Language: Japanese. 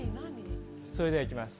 それでは行きます。